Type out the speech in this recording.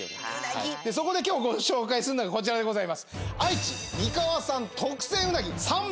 そこで今日ご紹介するのがこちらでございます。